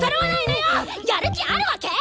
やる気あるわけ！？